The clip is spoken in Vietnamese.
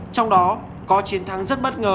trong đó có chiến thắng rất bất ngờ